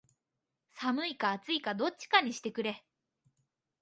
寒いか暑いかどっちかにしてくれ